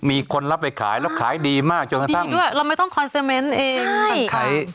มีคนรับไปขายแล้วขายดีมากดีด้วยเราไม่ต้องเองใช่แต่ขาย